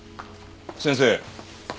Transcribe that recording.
先生。